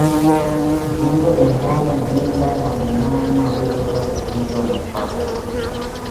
Viungo vya ndani huvimba kwa mnyama aliyekufa kwa ugonjwa wa mapafu